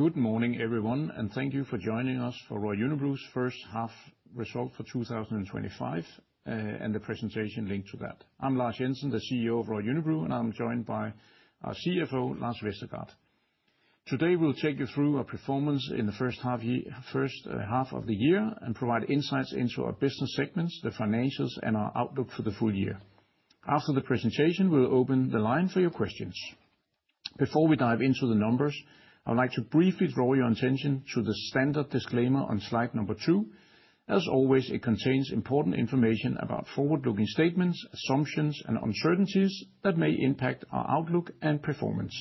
Good morning everyone and thank you for joining us for Royal Unibrew's First Half Result for 2025 and the presentation linked to that. I'm Lars Jensen, the CEO of Royal Unibrew and I'm joined by our CFO Lars Vestergaard. Today we'll take you through our performance in the first half of the year and provide insights into our business segments, the financials, and our outlook for the full year. After the presentation, we will open the line for your questions. Before we dive into the numbers, I'd like to briefly draw your attention to the standard disclaimer on slide number two. As always, it contains important information about forward-looking statements, assumptions, and uncertainties that may impact our outlook and performance.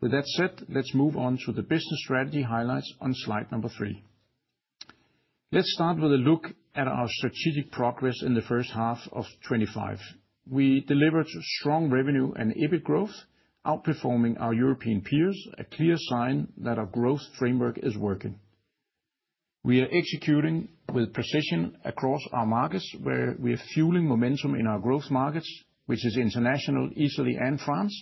With that said, let's move on to the business strategy highlights on slide number three. Let's start with a look at our strategic progress. In the first half of 2025 we delivered strong revenue and EBIT growth, outperforming our European peers, a clear sign that our growth framework is working. We are executing with precision across our markets where we are fueling momentum in our growth markets which is international, Italy, and France,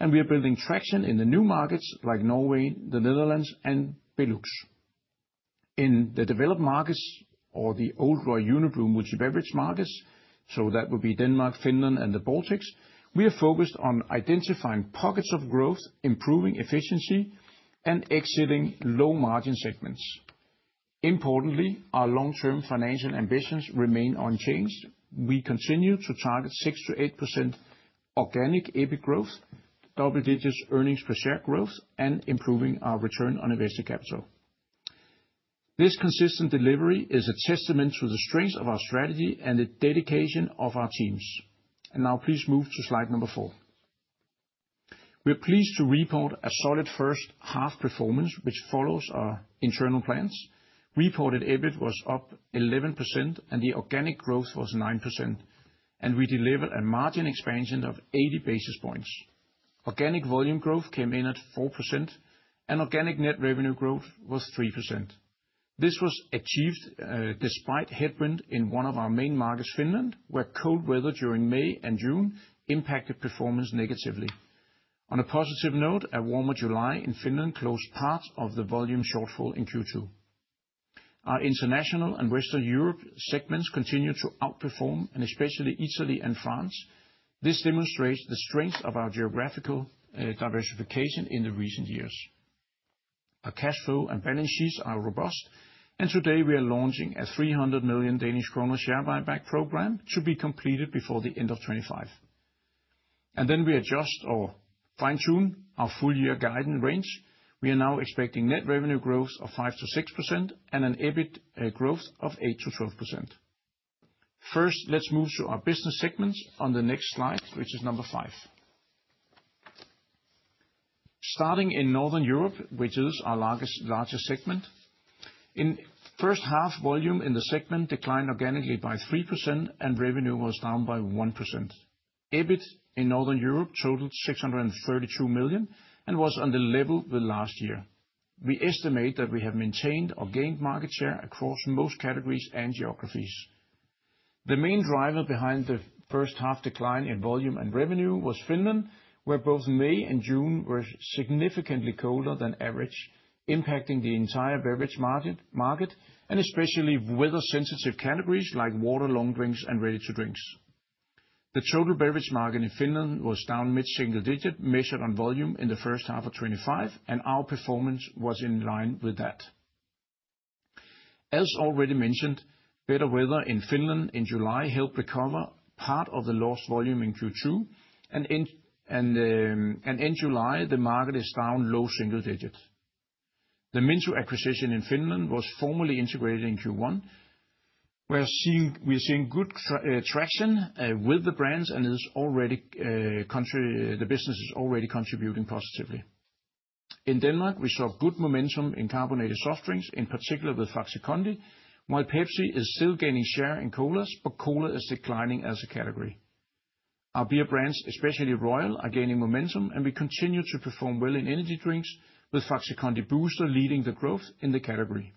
and we are building traction in the new markets like Norway, the Netherlands, and BeLux. In the developed markets or the old Royal Unibrew multi-beverage markets, so that would be Denmark, Finland, and the Baltics. We are focused on identifying pockets of growth, improving efficiency, and exiting low margin segments. Importantly, our long-term financial ambitions remain unchanged. We continue to target 6%-8% organic EBIT growth, double-digit earnings per share growth, and improving our return on invested capital. This consistent delivery is a testament to the strength of our strategy and the dedication of our teams. Now please move to slide number four. We're pleased to report a solid first half performance which follows our internal plans. Reported EBIT was up 11% and the organic growth was 9% and we delivered a margin expansion of 80 basis points. Organic volume growth came in at 4% and organic net revenue growth was 3%. This was achieved despite headwind in one of our main markets, Finland, where cold weather during May and June impacted performance negatively. On a positive note, a warmer July in Finland closed part of the volume shortfall. In Q2, our international and Western Europe segments continue to outperform and especially Italy and France. This demonstrates the strength of our geographical and diversification in the recent years. Our cash flow and balance sheets are robust, and today we are launching a 300 million Danish kroner share buyback program to be completed before the end of 2025, and then we adjust or fine tune our full year guidance range. We are now expecting net revenue growth of 5%-6% and an EBIT growth of 8%-12%. First, let's move to our business segments on the next slide, which is number five. Starting in Northern Europe, which is our largest segment in the first half, volume in the segment declined organically by 3% and revenue was down by 1%. EBIT in Northern Europe totaled 632 million and was on the level with last year. We estimate that we have maintained or gained market share across most categories and geographies. The main driver behind the first half decline in volume and revenue was Finland, where both May and June were significantly colder than average, impacting the entire beverage market and especially weather sensitive categories like water, long drinks, and ready to drinks. The total beverage market in Finland was down mid single digit measured on volume in first half of 2025, and our performance was in line with that. As already mentioned, better weather in Finland in July helped recover part of the lost volume in Q2, and in July the market is down low single digits. The Minttu acquisition in Finland was formally integrated in Q1. We're seeing good traction with the brands, and the business is already contributing positively. In Denmark, we saw good momentum in carbonated soft drinks, in particular with Faxe Kondi, while Pepsi is still gaining share in colas, but cola is declining as a category. Our beer brands, especially Royal, are gaining momentum, and we continue to perform well in energy drinks with Faxe Booster leading the growth in the category.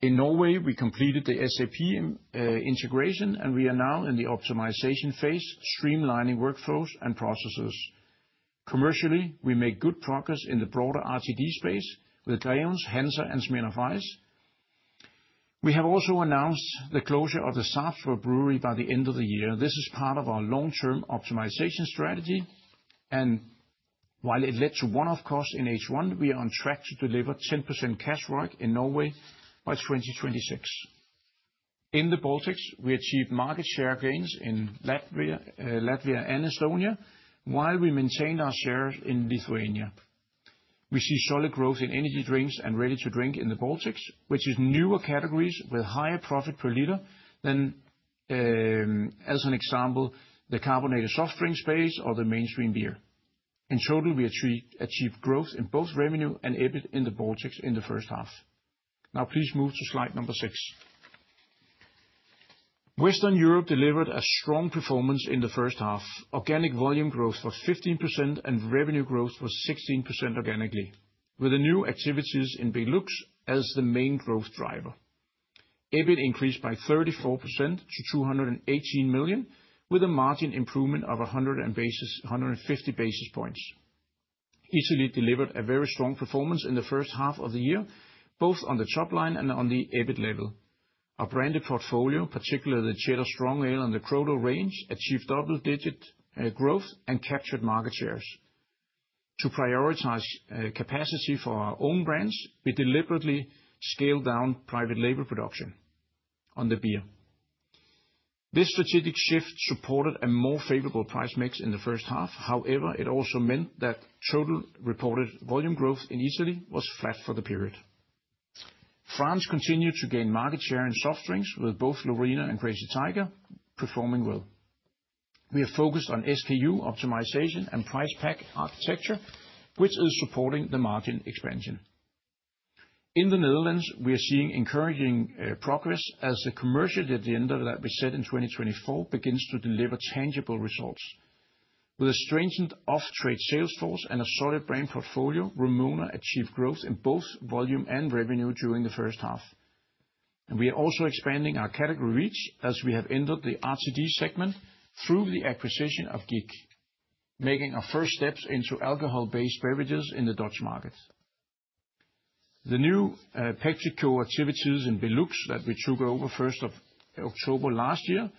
In Norway, we completed the SAP integration, and we are now in the optimization phase streamlining workflows and processes. Commercially, we made good progress in the broader RTD space with Grevens, Hansa and Smyrna Weiss. We have also announced the closure of the Sæby brewery by the end of the year. This is part of our long term optimization strategy, and while it led to one off cost in H1, we are on track to deliver 10% cash ROIC in Norway by 2026. In the Baltics, we achieved market share gains in Latvia and Estonia, while we maintain our shares in Lithuania. We see solid growth in energy drinks and ready to drink in the Baltics, which is newer categories with higher profit per liter than, as an example, the carbonated soft drink space or the mainstream beer. Totally, we achieved growth in both revenue and EBIT in the Baltics in the first half. Now please move to slide number six. Western Europe delivered a strong performance in the first half. Organic volume growth was 15% and revenue growth was 16%. Organically, with the new activities in BeLux as the main growth driver, EBIT increased by 34% to 218 million with a margin improvement of 150 basis points. Italy delivered a very strong performance in the first half of the year both on the top line and on the EBIT level. Our branded portfolio, particularly the Jet of Strong Ale and the Crodo range, achieved double-digit growth and captured market shares. To prioritize capacity for our own brands, we deliberately scaled down private label production on the beer. This strategic shift supported a more favorable price mix in the first half. However, it also meant that total reported volume growth initially was flat for the period. France continued to gain market share in soft drinks with both Lorina and Crazy Tiger performing well. We are focused on SKU optimization and price pack architecture, which is supporting the margin expansion. In the Netherlands, we are seeing encouraging progress as the commercial agenda that we set in 2024 begins to deliver tangible results. With a strengthened off-trade sales force and a solid brand portfolio, Vrumona achieved growth in both volume and revenue during the first half, and we are also expanding our category reach as we have entered the RTD segment through the acquisition of GiG, making our first steps into alcohol-based beverages in the Dutch market. The new PepsiCo activities in BeLux that we took over 1st of October last year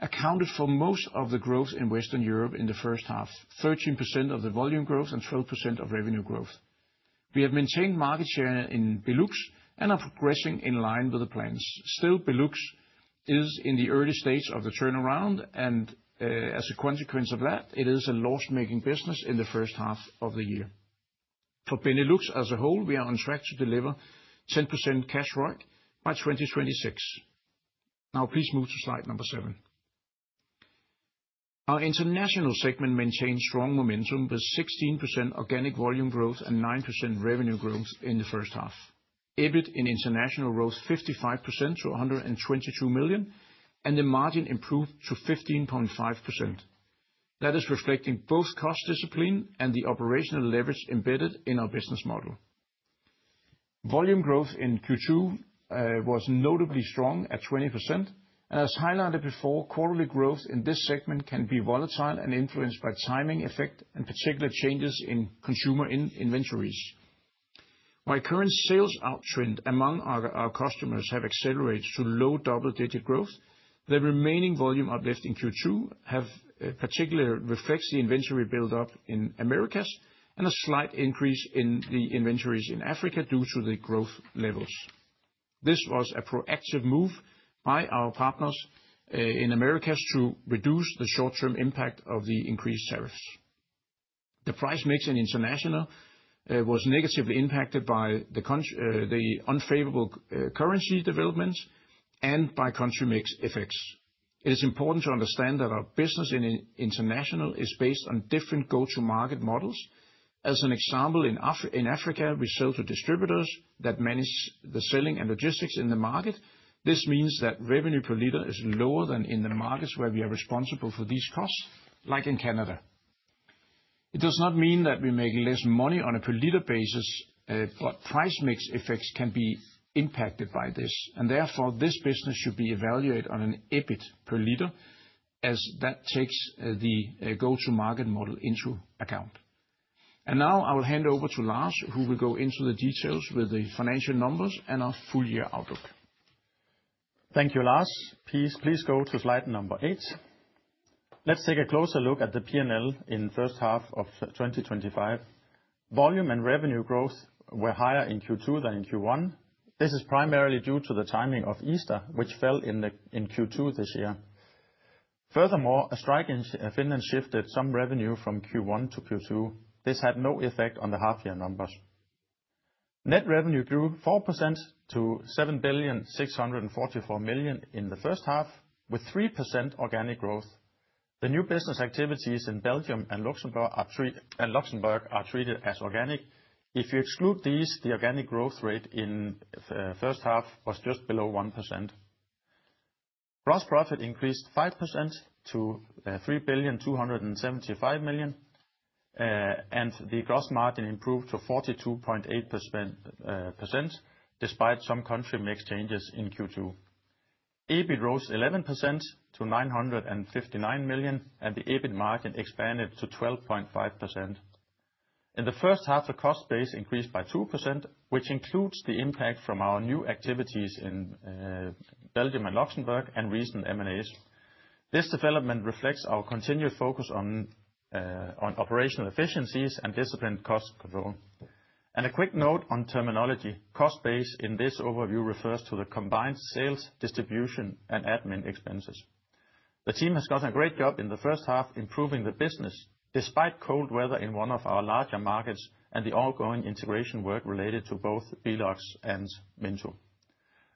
accounted for most of the growth in Western Europe in the first half, 13% of the volume growth and 12% of revenue growth. We have maintained market share in BeLux and are progressing in line with the plans. Still, BeLux is in the early stage of the turnaround, and as a consequence of that, it is a loss-making business in the first half of the year for BeLux as a whole. We are on track to deliver 10% cash ROIC by 2026. Now please move to slide number seven. Our International segment maintained strong momentum with 16% organic volume growth and 9% revenue. Growth in the first EBIT in International rose 55% to $122 million and the margin improved to 15.5%. That is reflecting both cost discipline and the operational leverage embedded in our business model. Volume growth in Q2 was notably strong at 20%, and as highlighted before, quarterly growth in this segment can be volatile and influenced by timing effect and particular changes in consumer inventories. While current sales outtrend among our customers have accelerated to low double digit growth, the remaining volume uplift in Q2 particularly reflects the inventory buildup in Americas and a slight increase in the inventories in Africa due to the growth levels. This was a proactive move by our partners in Americas to reduce the short term impact of the increased tariffs. The price mix in International was negatively impacted by the unfavorable currency developments and by country mix effects. It is important to understand that our business in International is based on different go to market models. As an example, in Africa we sell to distributors that manage the selling and logistics in the market. This means that revenue per liter is lower than in the markets where we are responsible for these costs like in Canada. It does not mean that we make less money on a per liter basis, but price mix effects can be impacted by this and therefore this business should be evaluated on an EBIT per liter as that takes the go to market model into account. I will now hand over to Lars who will go into the details with the financial numbers and our full year outlook. Thank you Lars. Please go to slide number eight. Let's take a closer look at the P&L. In first half of 2025, volume and revenue growth were higher in Q2 than in Q1. This is primarily due to the timing of Easter, which fell in Q2 this year. Furthermore, a strike in Finland shifted some revenue from Q1 to Q2. This had no effect on the half year numbers. Net revenue grew 4% to 7,644,000,000 in the first half with 3% organic growth. The new business activities in Belgium and Luxembourg are treated as organic. If you exclude these, the organic growth rate in first half was just below 1%. Gross profit increased 5% to 3,275,000,000 and the gross margin improved to 42.8%. Despite some country mix changes in Q2, EBIT rose 11% to 959,000,000 and the EBIT margin expanded to 12.5%. In the first half, the cost base increased by 2%, which includes the impact from our new activities in Belgium and Luxembourg and recent M&A. This development reflects our continued focus on operational efficiencies and disciplined cost control. A quick note on terminology: cost base in this overview refers to the combined sales, distribution, and admin expenses. The team has done a great job in the first half improving the business despite cold weather in one of our larger markets and the ongoing integration work related to both BeLux and Minttu.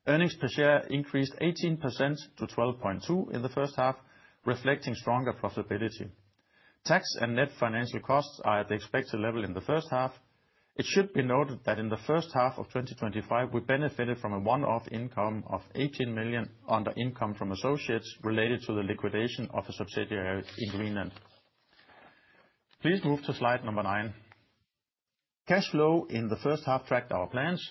Earnings per share increased 18% to 12.2 in the first half, reflecting stronger profitability. Tax and net financial costs are at the expected level in the first half. It should be noted that in the first half of 2025, we benefited from a one-off income of 18 million under income from associates related to the liquidation of a subsidiary in Greenland. Please move to slide number nine. Cash flow in the first half tracked our plans,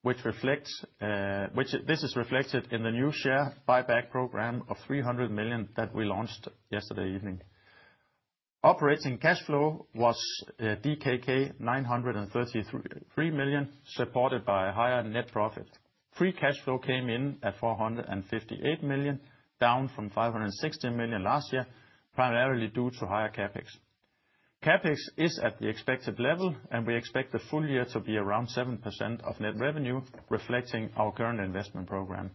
which is reflected in the new share buyback program of 300 million that we launched yesterday evening. Operating cash flow was DKK 933 million, supported by higher net profit. Free cash flow came in at 458 million, down from 516 million last year, primarily due to higher CapEx. CapEx is at the expected level, and we expect the full year to be around 7% of net revenue, reflecting our current investment program.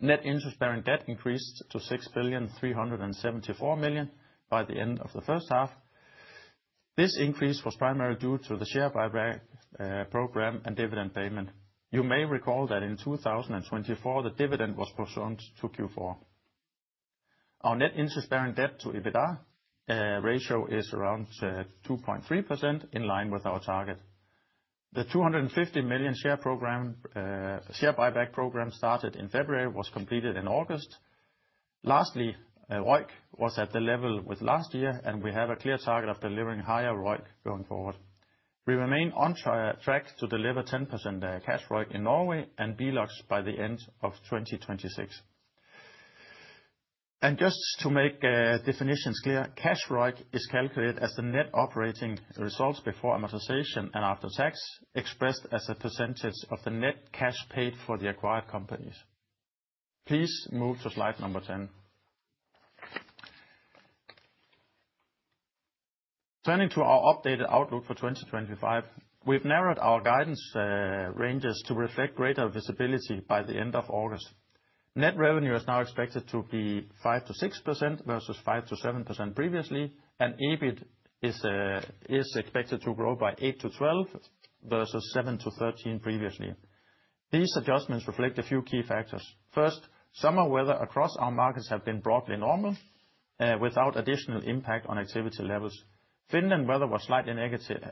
Net interest-bearing debt increased to 6,374,000,000 by the end of the first half. This increase was primarily due to the share buyback program and dividend payment. You may recall that in 2024, the dividend was postponed to Q4. Our net interest-bearing debt to EBITDA ratio is around 2.3x in line with our target. The 250 million share buyback program started in February was completed in August. Lastly, ROIC was at the level with last year and we have a clear target of delivering higher ROIC going forward. We remain on track to deliver 10% cash ROIC in Norway and BeLux by the end of 2026. To make definitions clear, cash ROIC is calculated as the net operating results before amortization and after tax expressed as a percentage of the net cash paid for the acquired companies. Please move to slide number 10. Turning to our updated outlook for 2025, we've narrowed our guidance ranges to reflect greater visibility by the end of August. Net revenue is now expected to be 5%-6% versus 5%-7% previously and EBIT is expected to grow by 8%-12% versus 7%-13% previously. These adjustments reflect a few key factors. First, summer weather across our markets has been broadly normal without additional impact on activity levels. Finland weather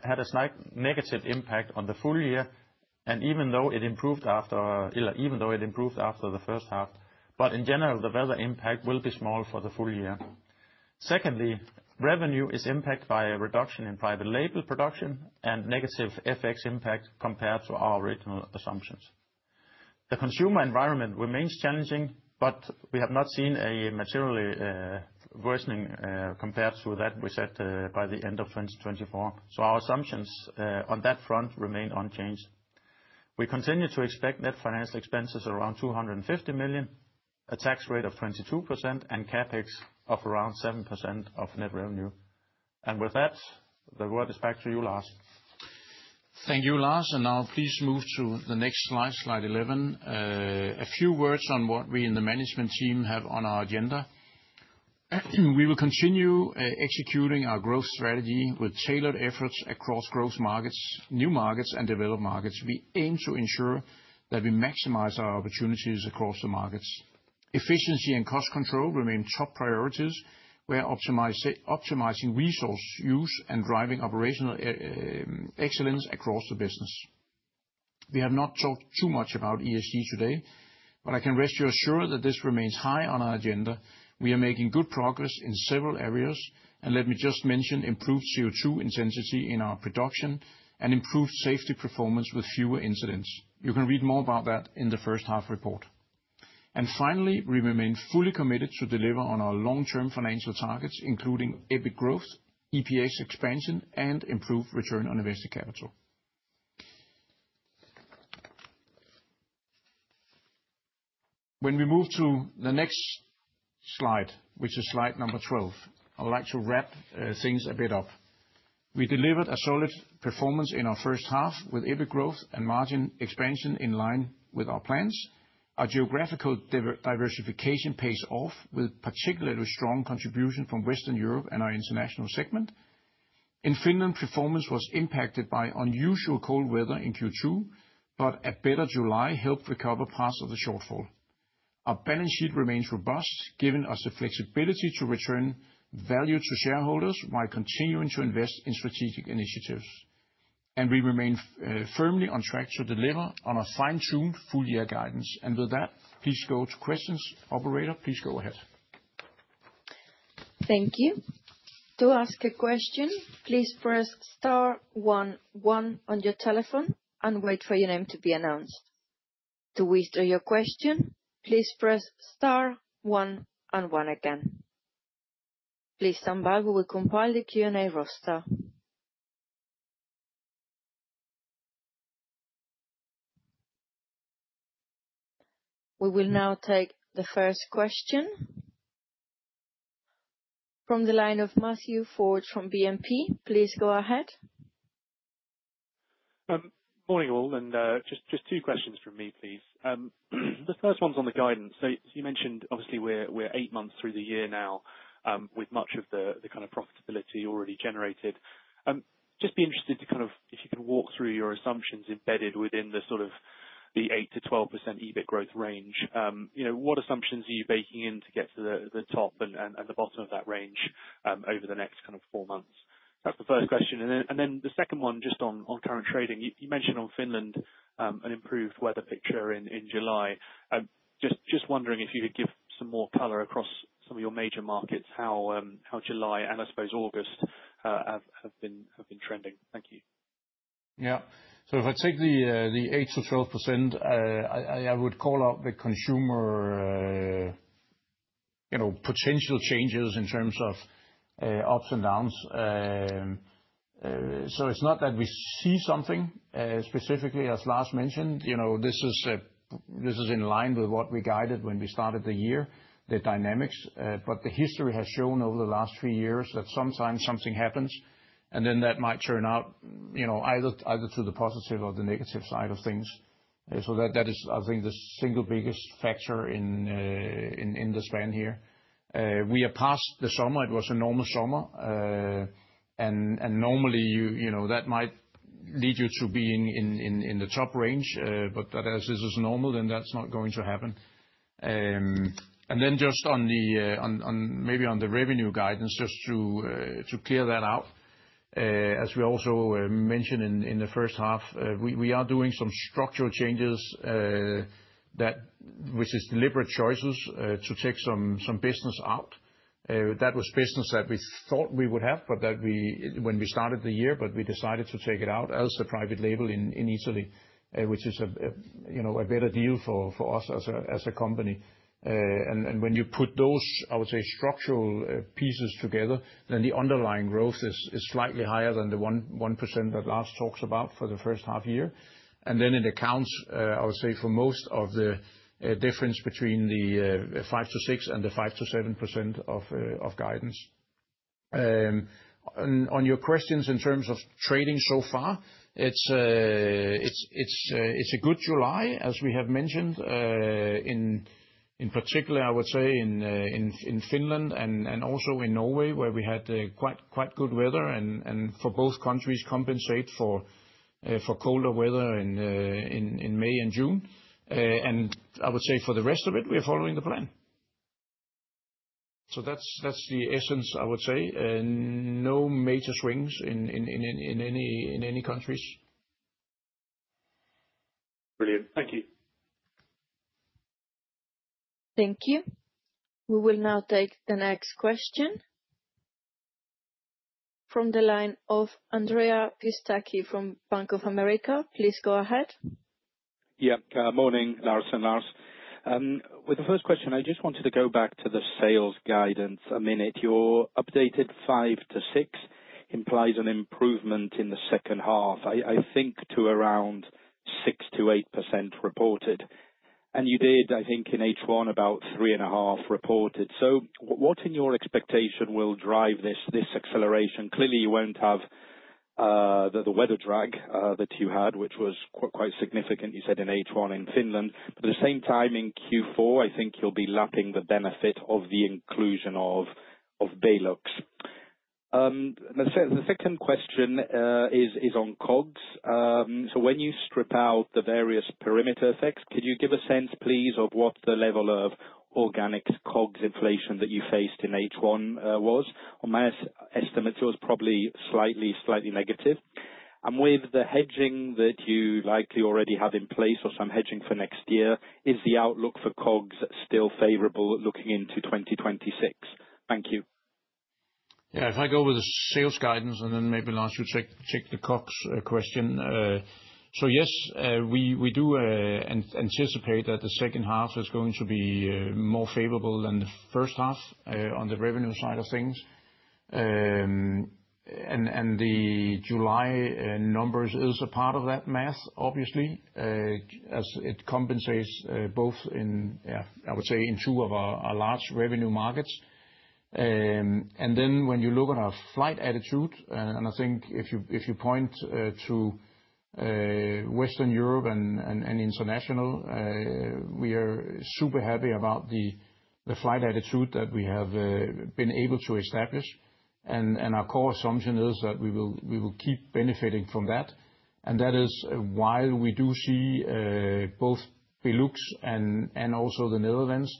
had a slight negative impact on the full year even though it improved after the first half. In general, the weather impact will be small for the full year. Secondly, revenue is impacted by a reduction in private label production and negative FX impact compared to our original assumptions. The consumer environment remains challenging, but we have not seen a material worsening compared to what we set by the end of 2024, so our assumptions on that front remain unchanged. We continue to expect net finance expenses around 250 million, a tax rate of 22%, and capex of around 7% of net revenue. With that, the word is back to you, Lars. Thank you, Lars. Now please move to the next slide. Slide 11. A few words on what we in the management team have on our agenda. We will continue executing our growth strategy with tailored efforts across growth markets, new markets, and developed markets. We aim to ensure that we maximize our opportunities across the markets. Efficiency and cost control remain top priorities. We are optimizing resource use and driving operational excellence across the business. We have not talked too much about ESG today, but I can rest you assured that this remains high on our agenda. We are making good progress in several areas, and let me just mention improved CO2 intensity in our production and improved safety performance with fewer incidents. You can read more about that in the first half report. Finally, we remain fully committed to deliver on our long-term financial targets including EBIT growth, EPS expansion, and improved return on invested capital. When we move to the next slide, which is slide number 12, I would like to wrap things a bit up. We delivered a solid performance in our first half with EBIT growth and margin expansion in line with our plans. Our geographical diversification pays off with particularly strong contribution from Western Europe and our international segment in Finland. Performance was impacted by unusual cold weather in Q2, but a better July helped recover parts of the shortfall. Our balance sheet remains robust, giving us the flexibility to return value to shareholders while continuing to invest in strategic initiatives. We remain firmly on track to deliver on a fine-tuned full year guidance, and with that, please go to questions. Operator, please go ahead. Thank you. To ask a question, please press star one one on your telephone and wait for your name to be announced. To withdraw your question, please press one and one again. Please stand by. We will compile the Q&A roster. We will now take the first question from the line of Matthew Ford from BNP. Please go ahead. Morning all. Just two questions from me please. The first one's on the guidance. You mentioned, obviously we're eight months through the year now with much of the kind of profitability already generated. Just be interested to kind of if you can walk through your assumptions embedded within the sort of the 8%-12% EBIT growth range. What assumptions are you baking in to get to the top and the bottom of that range over the next four months? That's the first question. The second one just on current trading, you mentioned on Finland an improved weather picture in July. Just wondering if you could give some more color across some of your major markets. How July and I suppose August have been trending. Thank you. Yeah, so if I take the 8%-12% I would call out the consumer. You know, potential changes in terms of ups and downs. It's not that we see something specifically, as Lars mentioned, you know, this is in line with what we guided when we started the year, the dynamics, but the history has shown over the last three years that sometimes something happens and then that might turn out, you know, either to the positive or the negative side of things. That is, I think, the single biggest factor in the span. Here we are past the summer. It was a normal summer and normally that might lead you to being in the top range, but as this was normal, then that's not going to happen. Maybe on the revenue guidance, just to clear that out, as we also mentioned in the first half, we are doing some structural changes, which is deliberate choices to take some business out. That was business that we thought we would have when we started the year, but we decided to take it out as a private label in Italy, which is a better deal for us as a company. When you put those, I would say, structural pieces together, then the underlying growth is slightly higher than the 1% that Lars talked about for the first half year. It accounts, I would say, for most of the difference between the 5%-6% and the 5%-7% of guidance. On your questions in terms of trading so far, it's a good July, as we have mentioned. In particular, I would say in Finland and also in Norway, where we had quite good weather and for both countries compensate for colder weather in May and June. I would say for the rest of it, we are following the plan. That's the essence, I would say no major swings in any countries. Brilliant. Thank you. Thank you. We will now take the next question from the line of Andrea Pistacchi from Bank of America. Please go ahead. Yeah, morning, Lars. And Lars, with the first question, I just wanted to go back to the sales guidance a minute. Your updated 5%-6% implies an improvement in the second half, I think to around 6%-8% reported. You did, I think in H1 about 3.5% reported. What in your expectation will drive this acceleration? Clearly you won't have the weather drag that you had, which was quite significant. You said in H1 in Finland, but at the same time in Q4, I think you'll be lapping the benefit of the inclusion of BeLux. The second question is on COGS. When you strip out the various perimeter effects, could you give a sense please of what the level of organic COGS inflation that you faced in H1 was? On my estimates, it was probably slightly, slightly negative. With the hedging that you likely already have in place or some hedging for next year, is the outlook for COGS still favorable looking into 2026? Thank you. Yeah, if I go with the sales guidance and then maybe let you check the COGS question. Yes, we do anticipate that the second half is going to be more favorable than the first half on the revenue side of things. The July numbers are a part of that math obviously as it compensates both in, I would say, in two of our large revenue markets. When you look at our flight attitude, and I think if you point to Western Europe and International, we are super happy about the flight attitude that we have been able to establish, and our core assumption is that we will keep benefiting from that. That is while we do see both Felix and also the Netherlands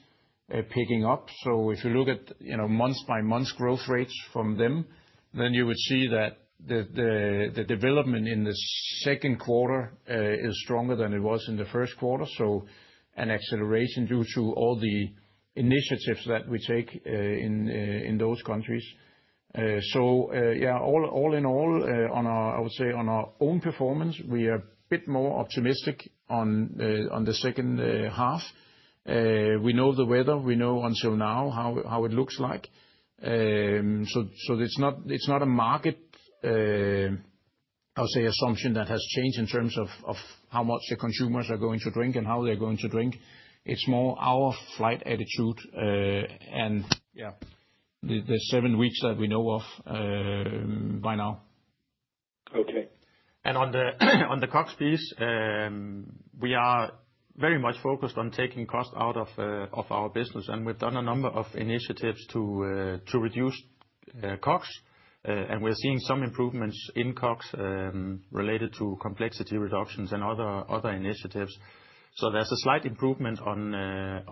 picking up. If you look at month-by-month growth rates from them, then you would see that the development in the second quarter is stronger than it was in the first quarter, an acceleration due to all the initiatives that we take in those countries. All in all, on our own performance, we are a bit more optimistic on the second half. We know the weather, we know until now how it looks like. It's not a market assumption that has changed in terms of how much the consumers are going to drink and how they're going to drink; it's more our flight attitude. The seven weeks that we know of by now. On the. On the COGS piece we are very much focused on taking cost out of our business and we've done a number of initiatives to reduce COGS and we're seeing some improvements in COGS related to complexity reductions and other initiatives. There's a slight improvement compared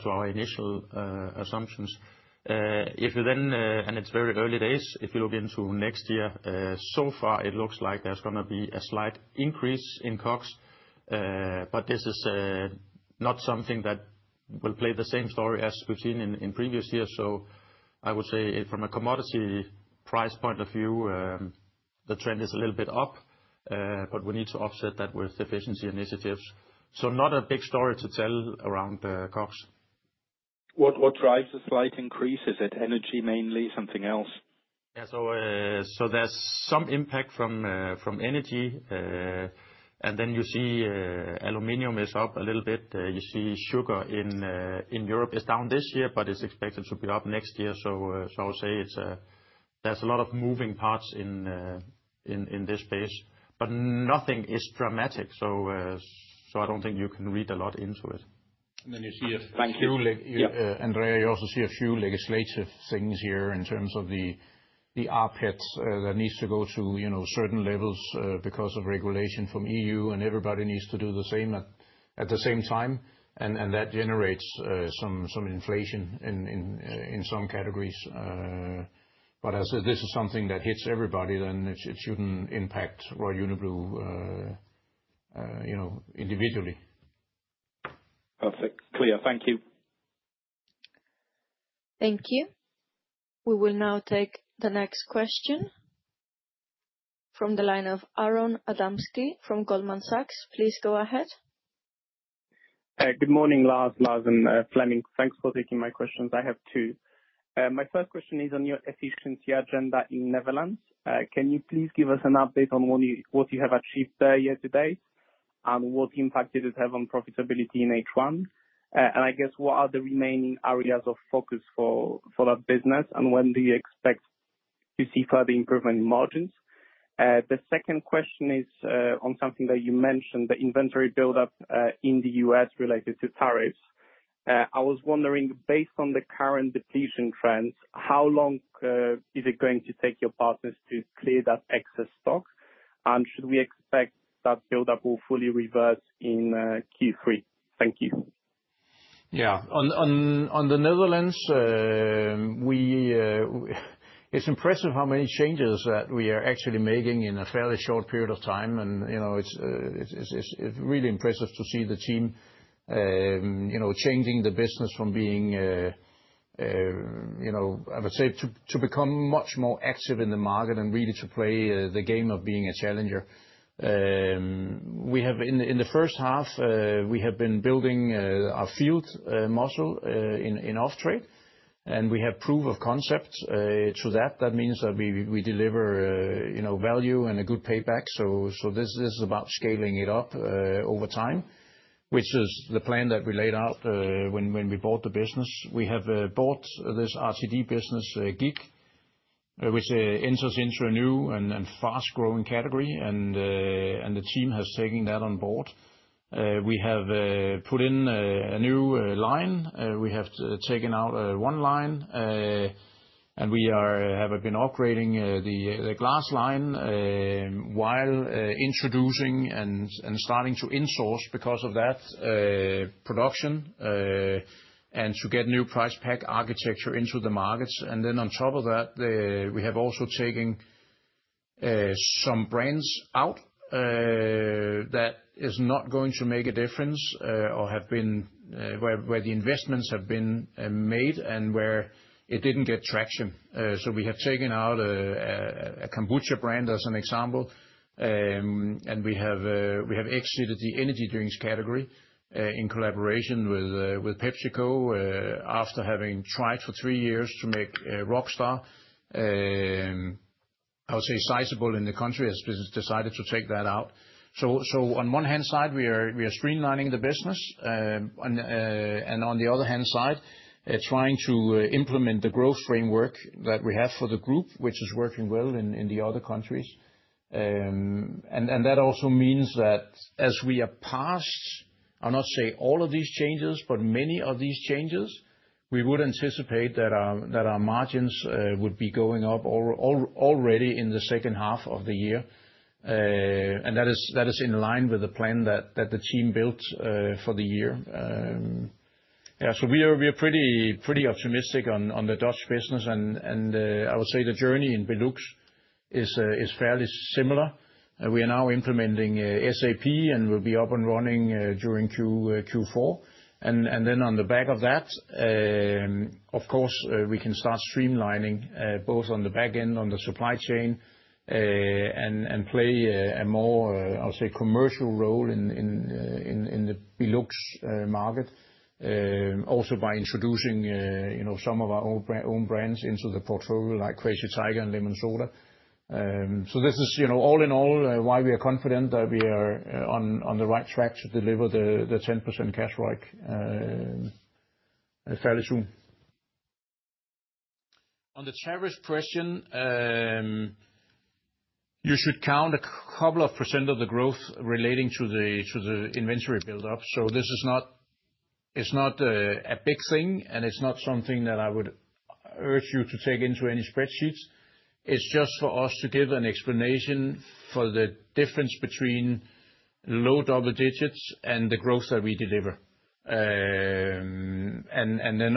to our initial assumptions. It's very early days. If you look into next year, so far it looks like there's going to be a slight increase in COGS, but this is not something that will play the same story as we've seen in previous years. I would say from a commodity price point of view the trend is a little bit up, but we need to offset that with efficiency initiatives. Not a big story to tell around COGS. What drives a slight increase? Is it energy, mainly, something else? There's some impact from energy, and then you see aluminum is up a little bit. You see sugar in Europe is down this year, but it's expected to be up next year. I would say there's a lot of moving parts in this space, but nothing is dramatic. I don't think you can read a lot into it, and then you see if. Thank you, Andrea. You also see a few legislative things here in terms of the arpit that needs to go to certain levels because of regulation from EU and everybody needs to do the same at the same time. That generates some inflation in some categories. As this is something that hits everybody, then it shouldn't impact Royal Unibrew. You know, individually. Perfect. Clear. Thank you. Thank you. We will now take the next question from the line of Aron Adamski from Goldman Sachs. Please go ahead. Good morning, Lars. Lars and Fleming, thanks for taking my questions. I have two. My first question is on your efficiency agenda in the Netherlands. Can you please give us an update on what you have achieved year to date and what impact it had on profitability in H1, and I guess what are the remaining areas of focus for that business and when do you expect to see further improvement in margins? The second question is on something that you mentioned, the inventory buildup in the U.S. related to tariffs. I was wondering, based on the current depletion trends, how long is it going to take your partners to clear that excess stock and should we expect that buildup will fully reverse in Q3? Thank you. Yeah. On the Netherlands, it's impressive how many changes that we are actually making in a fairly short period of time. It's really impressive to see the team, you know, changing the business from. Being. I would say to become much more active in the market and really to play the game of being a challenger. In the first half, we have been building our field muscle in off trade and we have proof of concepts to that. That means that we deliver value and a good payback. This is about scaling it up over time, which is the plan that we laid out when we bought the business. We have bought this RTD business GiG which enters into a new and fast growing category and the team has taken that on board. We have put in a new line, we have taken out one line, and we have been operating the glass line while introducing and starting to insource because of that production and to get new price pack architecture into the markets. On top of that, we have also taken some brands out that are not going to make a difference or have been where the investments have been made and where it didn't get traction. We have taken out a Kombucha brand as an example and we have exited the energy drinks category in collaboration with PepsiCo after having tried for three years to make Rockstar, I would say, sizable in the country, has decided to take that out. On one hand, we are streamlining the business and on the other hand, trying to implement the growth framework that we have for the group, which is working well in the other countries. That also means that as we are past, I'll not say all of these changes, but many of these changes, we would anticipate that our margins would be going up already in the second half of the year and that is in line with the plan that the team built for the year. Yeah. We are pretty optimistic on the Dutch business and I would say the journey in BeLux is fairly similar. We are now implementing SAP and will be up and running during Q4. On the back of that, of course, we can start streamlining both on the back end on the supply chain and play a more, I'll say, commercial role in the BeLux market also by introducing, you know, some of our own brands into the portfolio like Crazy Tiger and LemonSoda. This is, you know, all in all, why we are confident that we are on the right track to deliver the 10% cash. Right. Fairly soon. On the tariff question, you should count a couple of percent of the growth relating to the inventory buildup. This is not a big thing, and it's not something that I would urge you to take into any spreadsheets. It's just for us to give an explanation for the difference between low double digits and the growth that we deliver.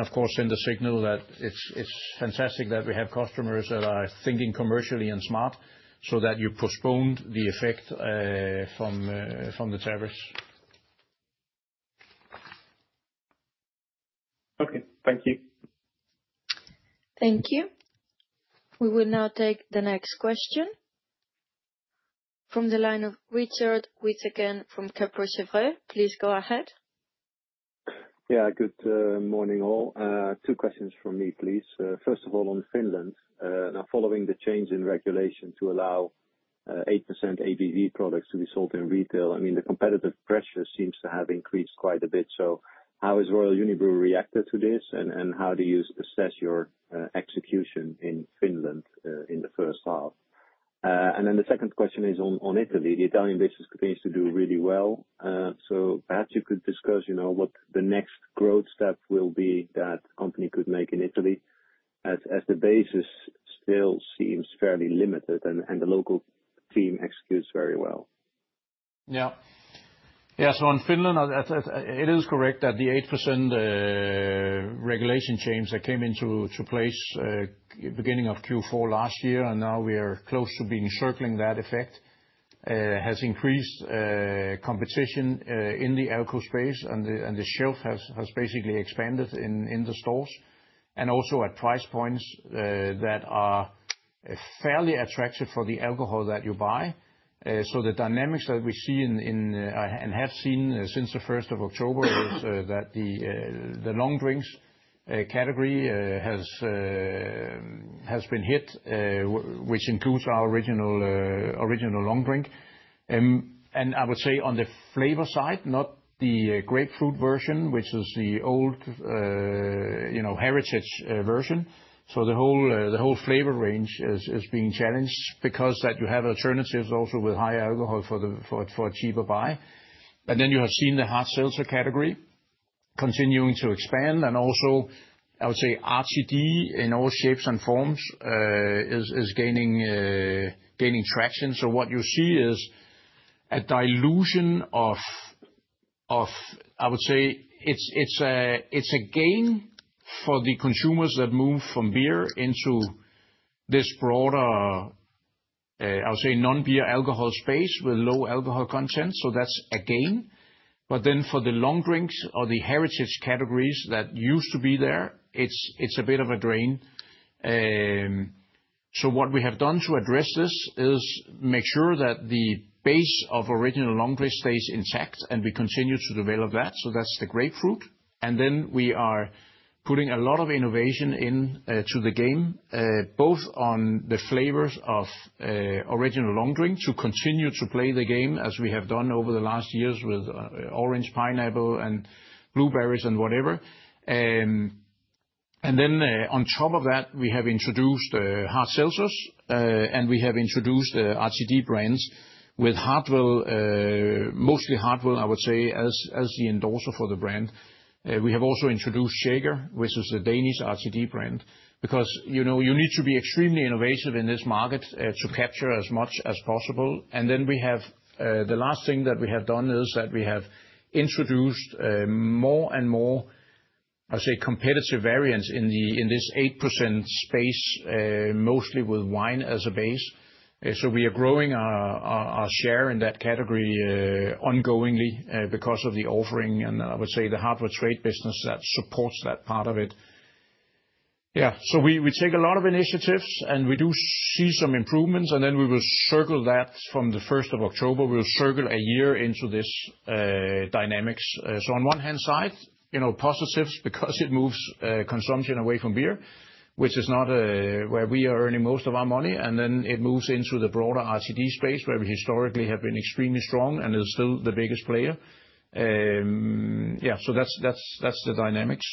Of course, in the signal that it's fantastic that we have customers that are thinking commercially and smart so that you postpone the effect from the tariffs. Okay, thank you. Thank you. We will now take the next question from the line of Richard Withagen from Kepler Cheuvreux. Please go ahead. Yeah, good morning all. Two questions from me, please. First of all, on Finland now following the change in regulation to allow 8% ABV products to be sold in retail, the competitive pressure seems to have increased quite a bit. How has Royal Unibrew reacted to this and how do you assess your execution in Finland in the first half? The second question is on Italy. The Italian business continues to do really well. Perhaps you could discuss what the next growth step will be that the company could make in Italy as the basis still seems fairly limited and the local team executes very well. Yeah, yeah. In Finland it is correct that the 8% regulation change that came into place beginning of Q4 last year and now we are close to being circling that effect, has increased competition in the alco space and the shelf has basically expanded in the stores and also at price points that are fairly attractive for the alcohol that you buy. The dynamics that we see in and have seen since the 1st of October is that the long drinks category has been hit, which includes our Original Long Drink. I would say on the flavor side, not the grapefruit version, which is the old, you know, heritage version. The whole flavor range is being challenged because you have alternatives also with higher alcohol for a cheaper buy. You have seen the hard seltzer category continuing to expand. I would say RTD in all shapes and forms is gaining traction. What you see is a dilution of, I would say it's a gain for the consumers that move from beer into this broader, I'll say non-beer alcohol space with low alcohol content. That's a gain. For the long drinks or the heritage categories that used to be there, it's a bit of a drain. What we have done to address this is make sure that the base of Original Long Drink stays intact and we continue to develop that. That's the grapefruit. We are putting a lot of innovation into the game both on the flavors of Original Long Drink, to continue to play the game as we have done over the last years with orange, pineapple and blueberries and whatever. And. On top of that, we have introduced hard seltzers and we have introduced RTD brands with Hardwell, mostly Hardwell, I would say, as the endorser for the brand. We have also introduced Shaker, which is a Danish RTD brand because, you know, you need to be extremely innovative in this market to capture as much as possible. The last thing that we have done is that we have introduced more and more, I say, competitive variants in this 8% space, mostly with wine as a base. We are growing our share in that category ongoingly because of the offering and, I would say, the hardware trade business that supports that part of it. We take a lot of initiatives and we do see some improvements. We will circle that from the 1st of October, we'll circle a year into this dynamics. On one hand side, positives, because it moves consumption away from beer, which is not where we are earning most of our money. It moves into the broader RTD space where we historically have been extremely strong and are still the biggest player. That's the dynamics.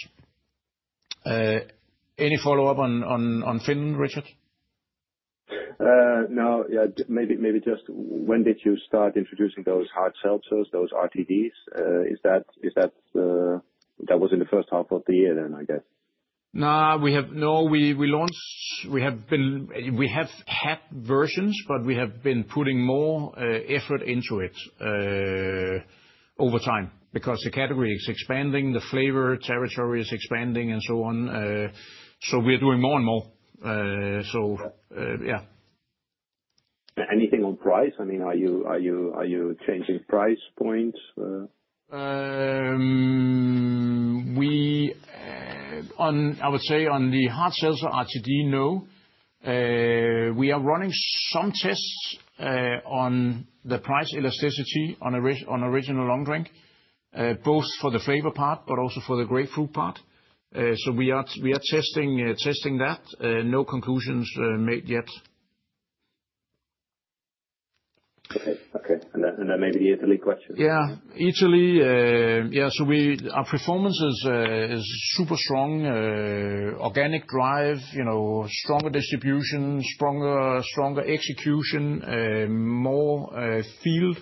Any follow up on Finland, Richard? No. Yeah, maybe. When did you start introducing those hard seltzers, those RTDs? Is that, is that, that was in the first half of the year then, I guess. We launched, we have been, we have had versions, but we have been putting more effort into it over time because the category is expanding, the flavor territory is expanding and so on. We are doing more and more. Yeah. Anything on price? I mean, are you changing price points? I would say on the hard sales or RTD, we are running some tests on the price elasticity on Original Long Drink, both for the flavor part and also for the grapefruit part. We are testing that. No conclusions made yet. Okay. That may be the Italy question. Yeah, Italy. Our performance is super strong. Organic drive, you know, stronger distribution, stronger, stronger execution, more field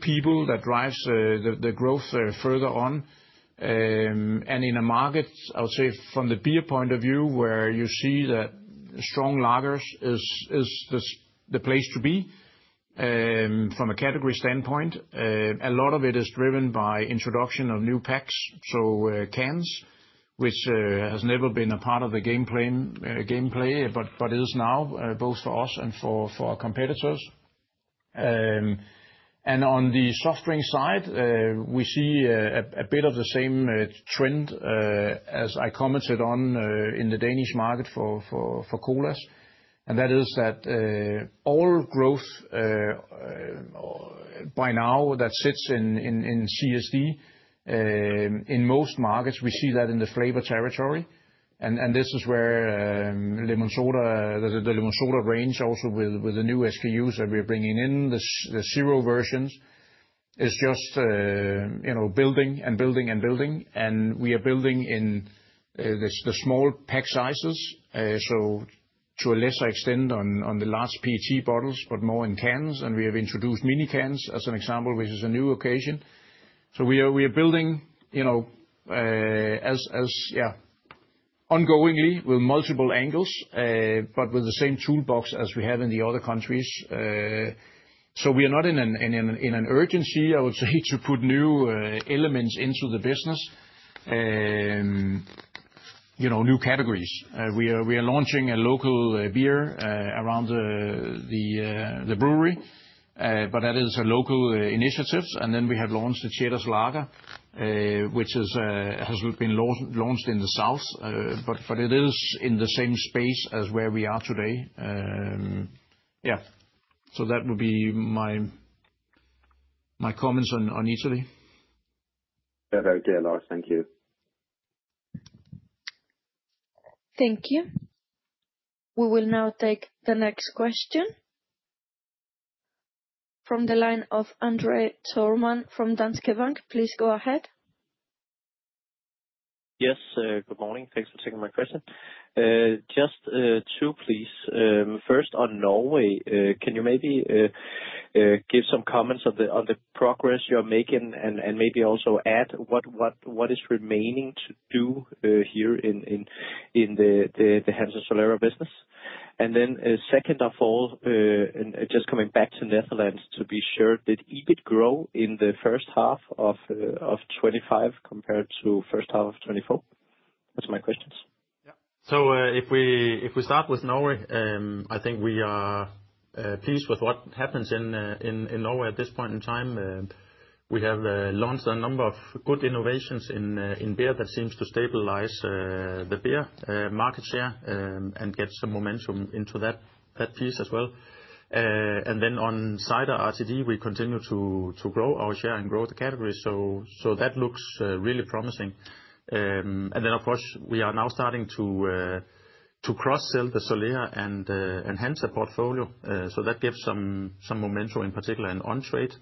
people. That drives the growth further on. In a market, I would say from the beer point of view, where you see that strong lagers is the place to be from a category standpoint, a lot of it is driven by introduction of new packs, so cans, which has never been a part of the game plan, but it is now both for us and for our competitors. On the soft drink side, we see a bit of the same trend as I commented on in the Danish market for colas. That is that all growth by now, that sits in CSD in most markets. We see that in the flavor territory. This is where the LemonSoda range, also with the new SKUs that we're bringing in, the zero version is just, you know, building and building and building. We are building in the small pack sizes, so to a lesser extent on the large PET bottles, but more in cans. We have introduced mini cans as an example, which is a new occasion. We are building, you know, ongoingly with multiple angles, but with the same toolbox as we have in the other countries. We are not in an urgency, I would say, to put new elements into the business, you know, new categories. We are launching a local beer around the brewery, but that is a local initiative. We have launched the Jeder’s Lager, which has been launched in the south, but it is in the same space as where we are today. That would be my comments on Italy. Lars, thank you. Thank you. We will now take the next question from the line of Andre Thormann from Danske Bank. Please go ahead. Yes, good morning. Thanks for taking my question. Just two please. First on Norway, can you maybe give some comments on the progress you're making and maybe also add what is remaining to do here in the Hans and Solera business? Second of all, just coming back to Netherlands to be sure. Did EBIT grow in the first half of 2025 compared to first half of 2024? That's my questions. If we start with Norway, I think we are pleased with what happens in Norway at this point in time. We have launched a number of good innovations in beer that seems to stabilize the beer market share and get some momentum into that piece as well. On cider RTD, we continue to grow our share and grow the category. That looks really promising. Of course, we are now starting to cross sell the Solea and enhance the portfolio. That gives some momentum in particular in on trade.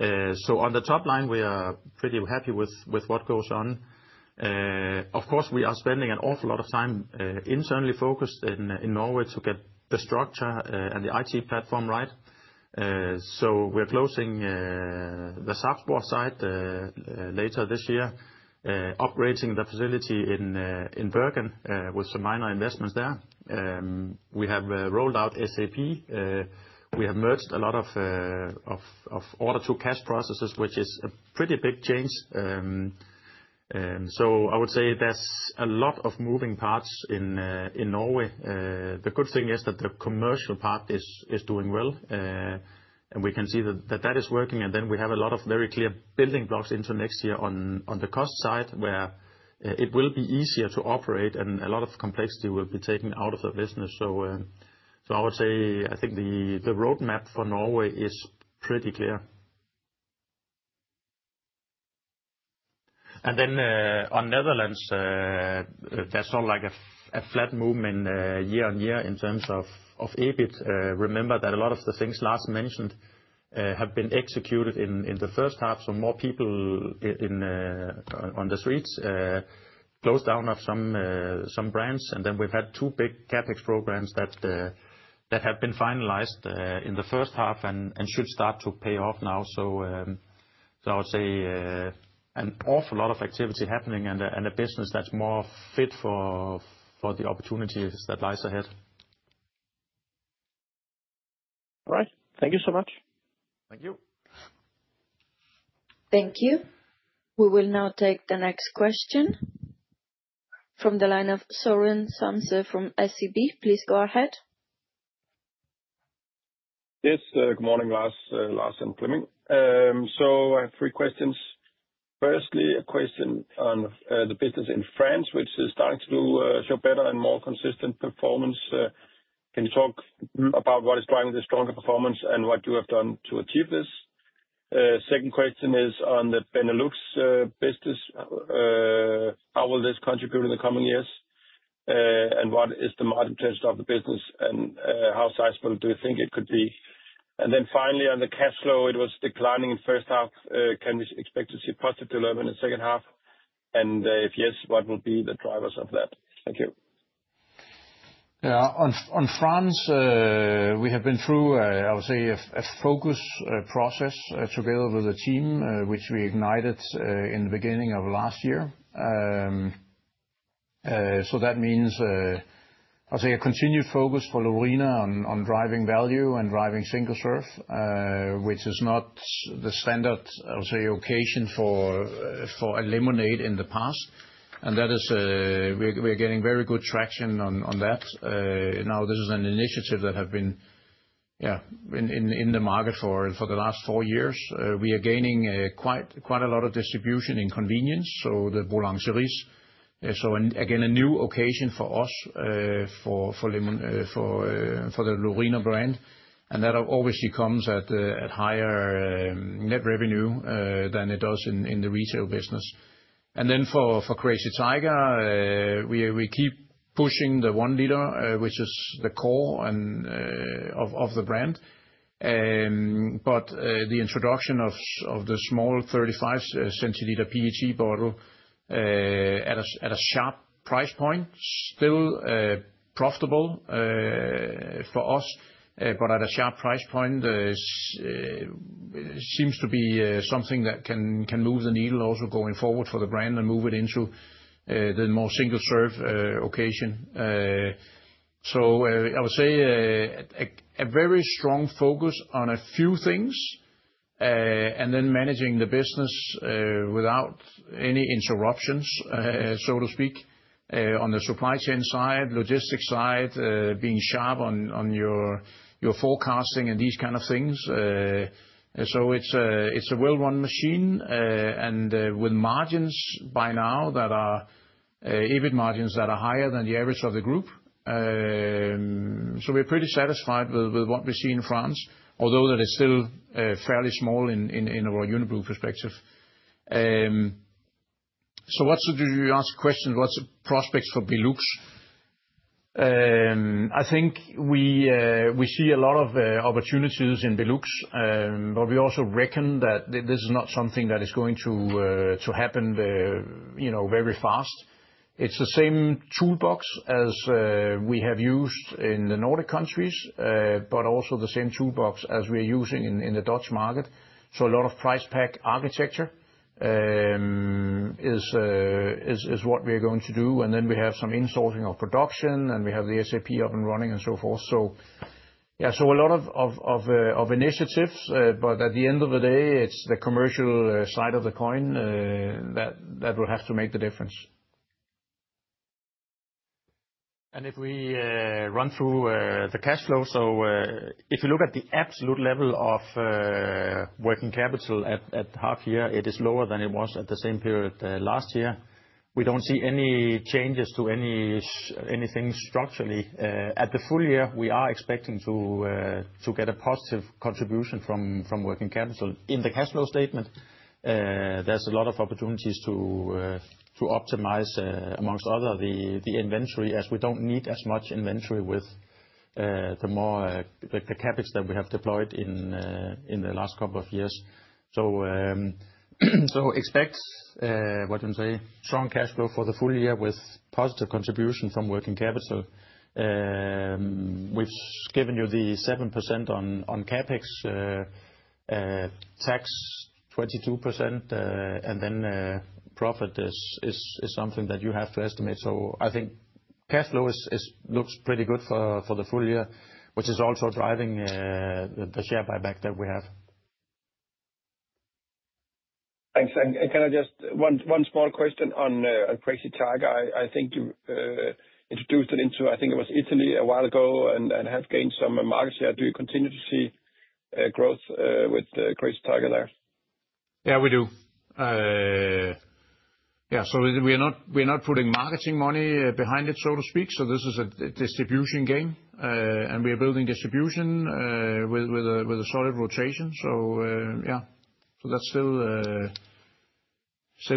On the top line, we are pretty happy with what goes on. Of course, we are spending an awful lot of time internally focused in Norway to get the structure and the IT platform right. We're closing the subsport side later this year, upgrading the facility in Bergen with some minor investments there. We have rolled out SAP, we have merged a lot of order to cash processes, which is a pretty big change. I would say there's a lot of moving parts in Norway. The good thing is that the commercial part is doing well and we can see that is working. We have a lot of very clear building blocks into next year on the cost side where it will be easier to operate and a lot of complexity will be taken out of the business. I would say, I think the roadmap for Norway is pretty clear. On Netherlands, there's sort of like a flat movement year on year in terms of EBIT. Remember that a lot of the things Lars mentioned have been executed in the first half. More people on the streets, close down of some brands, and then we've had two big CapEx programs that have been finalized in the first half and should start to pay off now. I would say an awful lot of activity happening and a business that's more fit for the opportunities that lie ahead. All right, thank you so much. Thank you. Thank you. We will now take the next question from the line of Søren Samsøe from SEB. Please go ahead. Yes, good morning Lars, Lars and Fleming. I have three questions. Firstly, a question on the business in France which is starting to show better and more consistent performance. Can you talk about what is driving the stronger performance and what you have done to achieve this? Second question is on the BeLux business. How will this contribute in the coming years and what is the margin potential of the business and how sizable do you think it could be? Finally, on the cash flow. It was declining in the first half. Can we expect to see positive learning in the second half and if yes, what will be the drivers of that? Thank you. On France, we have been through, I would say, a focus process together with a team which we ignited in the beginning of last year. That means a continued focus for Lorina on driving value and driving single serve, which is not the standard occasion for lemonade in the past. We are getting very good traction on that now. This is an initiative that has been in the market for the last four years. We are gaining quite a lot of distribution in convenience. The Bolang series, again, is a new occasion for us for the Lorina brand, and that obviously comes at higher net revenue than it does in the retail business. For Crazy Tiger, we keep pushing the 1 liter, which is the core of the brand. The introduction of the small 0.35 L PET bottle at a sharp price point, still profitable for us but at a sharp price point, seems to be something that can move the needle also going forward for the brand and move it into the more single serve occasion. I would say a very strong focus on a few things and then managing the business without any interruptions, so to speak, on the supply chain side, logistics side, being sharp on your forecasting and these kind of things. It's a well-run machine and with margins by now that are EBIT margins that are higher than the average of the group. We're pretty satisfied with what we see in France, although that is still fairly small in our Royal Unibrew perspective. What should you ask questions? What's the prospects for BeLux? I think we see a lot of opportunities in BeLux, but we also reckon that this is not something that is going to happen very fast. It's the same toolbox as we have used in the Nordic countries, but also the same toolbox as we're using in the Dutch market. A lot of price pack architecture is what we're going to do, and then we have some insourcing of production and we have the SAP up and running and so forth. A lot of initiatives, but at the end of the day, it's the commercial side of the coin that will have to make the difference. If you look at the absolute level of working capital at half year, it is lower than it was at the same period last year. We don't see any changes to anything structurally at the full year. We are expecting to get a positive contribution from working capital in the cash flow statement. There's a lot of opportunities to optimize, amongst other the inventory, as we don't need as much inventory with the CapEx that we have deployed in the last couple of years. Expect, what you say, strong cash flow for the full year with positive contribution from working capital. We've given you the 7% on CapEx, tax 22%, and then profit is something that you have to estimate. I think cash flow looks pretty good for the full. Year, which is also driving the share buyback that we have. Thanks. Can I just ask one small question on Crazy Tiger? I think you introduced it into, I think it was Italy a while ago and had gained some market share. Do you continue to see growth with Crazy Tiger there? Yeah, we do. We're not putting marketing money behind it, so to speak. This is a distribution game and we are building distribution with a solid rotation. That's still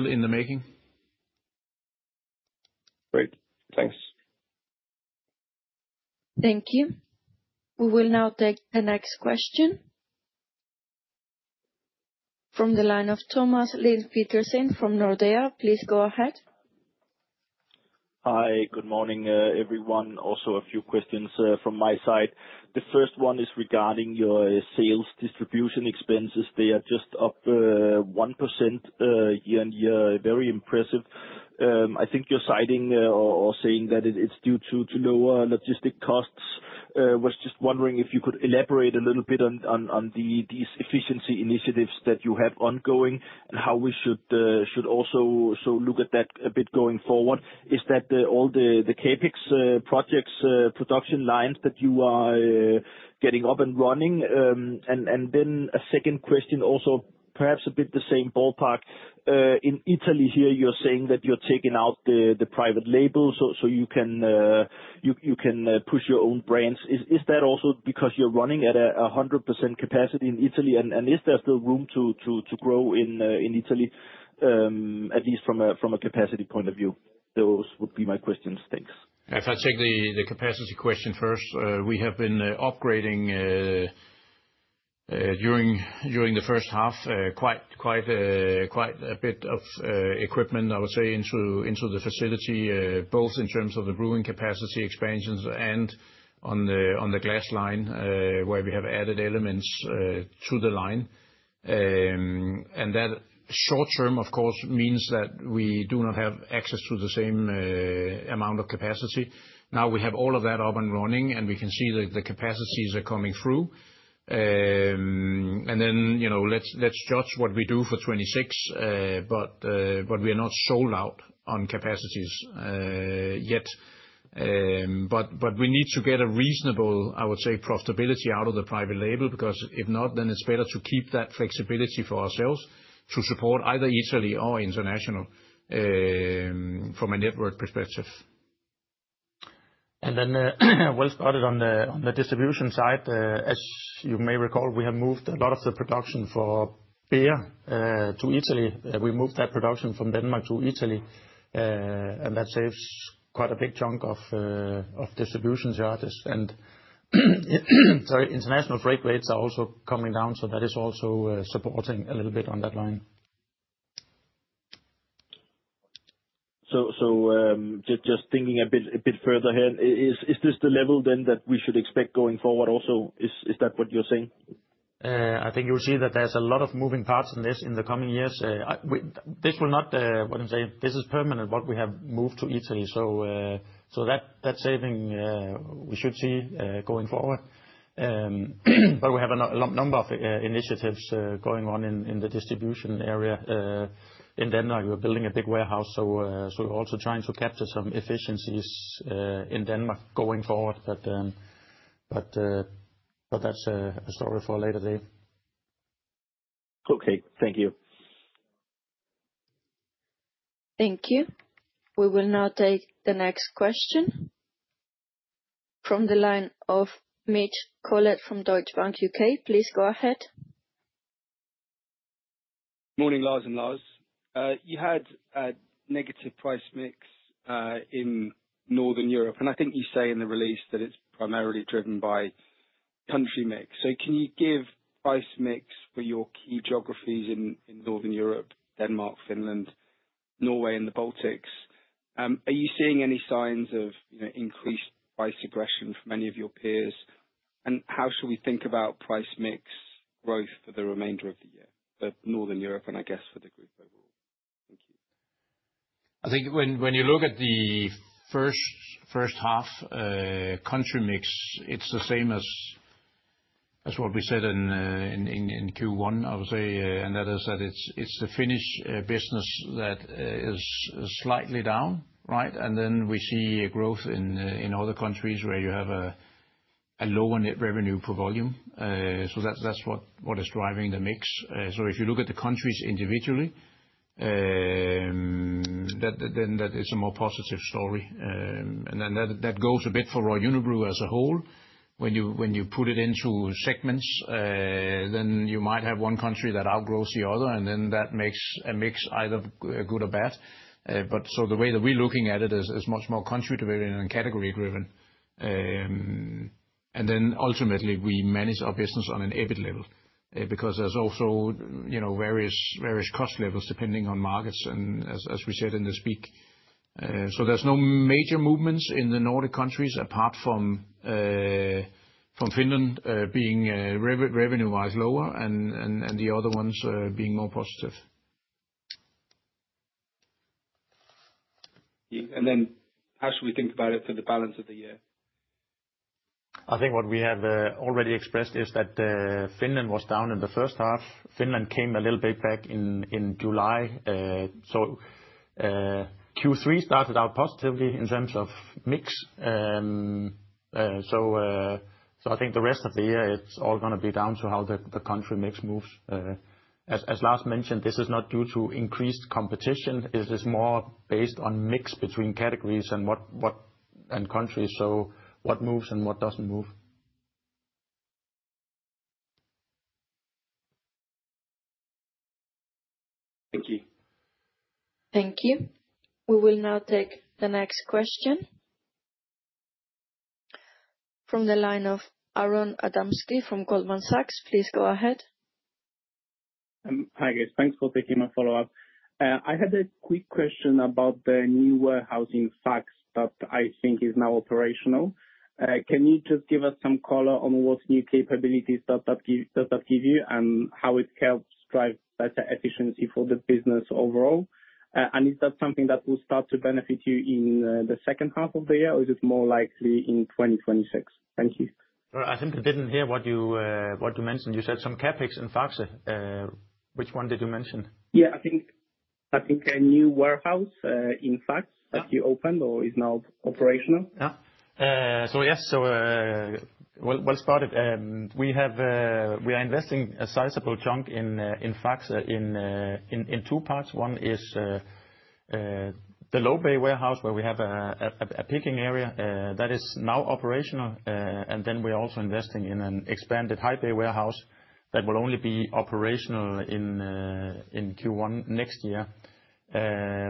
in the making. Thank you. We will now take the next question from the line of Thomas Lind Petersen from Nordea. Please go ahead. Hi, good morning everyone. Also a few questions from my side. The first one is regarding your sales distribution expenses. They are just up 1% and very impressive. I think you're citing or saying that it's due to lower logistic cost. Was just wondering if you could elaborate a little bit on these efficiency initiatives that you have ongoing and how we should also look at that a bit going forward. Is that all the CapEx projects, production lines that you are getting up and running? A second question also perhaps a bit the same ballpark, in Italy here you're saying that you're taking out the private label so you can push your own brands. Is that also because you're running at 100% capacity in Italy and is there still room to grow in Italy at least from a capacity point of view? Those would be my questions. Thanks. If I take the capacity question first, we have been upgrading during the first half quite a bit of equipment, I would say, into the facility both in terms of the brewing capacity expansions and on the glass line where we have added elements to the line. That short term, of course, means that we do not have access to the same amount of capacity now. We have all of that up and running and we can see that the capacities are coming through. Let's judge what we do for 2026. We are not sold out on capacities yet. We need to get a reasonable, I would say, profitability out of the private label because if not, then it's better to keep that flexibility for ourselves to support either Italy or international from a network perspective. Started on the distribution side, you may recall we have moved a lot of the production for beer to Italy. We moved that production from Denmark to Italy, and that saves quite a big chunk of distribution charges. International freight rates are also coming down, so that is also supporting a little. Just thinking a bit further here, is this the level then that we should expect going forward also? Is that what you're saying? I think you see that there's a lot of moving parts in this in the coming years. This is permanent what we have moved to Italy, so that saving we should see going forward. We have a number of initiatives going on in the distribution area in Denmark. We're building a big warehouse, so we're also trying to capture some efficiencies in Denmark going forward. That's a story for later day. Okay, thank you. Thank you. We will now take the next question from the line of Mitch Collett from Deutsche Bank U.K. Please go ahead. Morning, Lars. Lars, you had a negative price mix in Northern Europe, and I think you say in the release that it's primarily driven by country mix. Can you give price mix for your key geographies in Northern Europe: Denmark, Finland, Norway, and the Baltics? Are you seeing any signs of increased price aggression from any of your peers? How should we think about price mix growth for the remainder of the year in Northern Europe, and I guess for the group? I think when you look at the first half country mix, it's the same as that's what we said in Q1, I would say, and that is that it's the Finnish business that is slightly down. Right. Then we see a growth in other countries where you have a lower net revenue per volume. That's what is driving the mix. If you look at the countries individually, then that is a more positive story and that goes a bit for Royal Unibrew as a whole. When you put it into segments, then you might have one country that outgrows the other and that makes a mix either good or bad. The way that we're looking at it is much more contributor and category driven and then ultimately we manage our business on an EBIT level because there's also, you know, various cost levels depending on markets and as we said in the speak. There's no major movements in the Nordic countries apart from Finland being revenue wise lower and the other ones being more positive. How should we think about it for the balance of the year? I think what we have already expressed is that Finland was down in the first half. Finland came a little bit back in July. Q3 started out positively in terms of mixed. I think the rest of the year it's all going to be down. To how the country makes moves. As Lars mentioned, this is not due to increased competition. It is more based on mix between categories and countries. What moves and what doesn't move? Thank you. Thank you. We will now take the next question from the line of Aron Adamski from Goldman Sachs. Please go ahead. Hi Grace, thanks for taking my follow up. I had a quick question about the new warehousing Faxe that I think is now operational. Can you just give us some color on what new capabilities does that give you and how it helps drive better efficiency for the business overall, and is that something that will start to benefit you in the second half of the year or is it more likely in 2026? Thank you. I think I didn't hear what you mentioned. You said some CapEx in Faxe. Which one did you mention? I think a new warehouse in Faxe that you opened or is now operational. Yes, we are investing a sizable chunk in Faxe in two parts. One is the low bay warehouse where we have a picking area that is now operational, and then we're also investing in an expanded high bay warehouse that will only be operational in Q1 next year.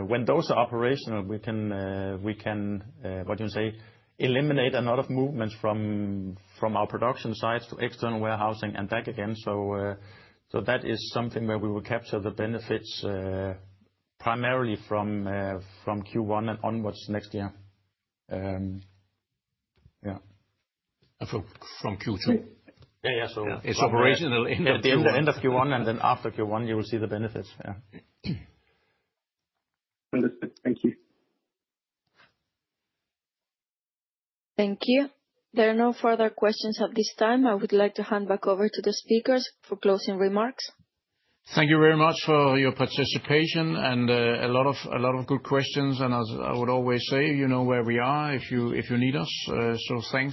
When those are operational, we can, what you say, eliminate a lot of movements from our production sites to external warehousing and back again. That is something where we will capture the benefits primarily from Q1 and onwards next year. From Q2. It's operational at the end of Q1. After Q1, you will see the benefits. Thank you. Thank you. There are no further questions at this time. I would like to hand back over to the speakers for closing remarks. Thank you very much for your participation and a lot of good questions. As I would always say, you know where we are if you need us, so thanks.